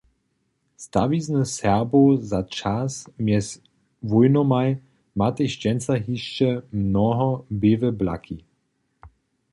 Stawizny Serbow za čas mjez wójnomaj ma tež dźensa hišće mnohe běłe blaki.